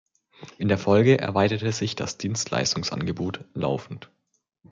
In der Folge erweiterte sich das Dienstleistungsangebot laufend.